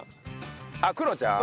あっクロちゃん？